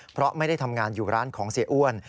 เพราะไม่ได้ทำงานอยู่ร้านของเสียอ้วน